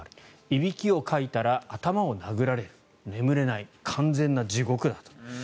いびきをかいたら頭を殴られる眠れない完全な地獄だと。